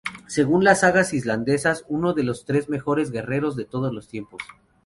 Según las sagas islandesas uno de los tres mejores guerreros de todos los tiempos.